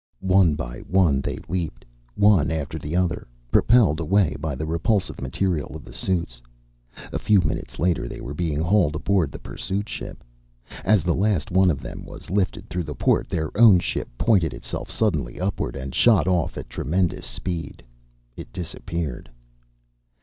One by one they leaped, one after the other, propelled away by the repulsive material of the suits. A few minutes later they were being hauled aboard the pursuit ship. As the last one of them was lifted through the port, their own ship pointed itself suddenly upward and shot off at tremendous speed. It disappeared.